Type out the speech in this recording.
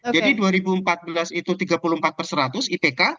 jadi dua ribu empat belas itu tiga puluh empat perseratus ipk